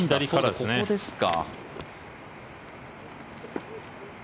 ここですか。